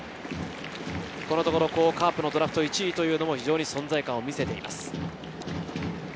このところカープのドラフト１位というのも非常に存在感を見せています。